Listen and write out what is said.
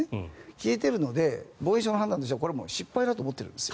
消えているので防衛省の判断としてはこれは失敗だと思ってるんです。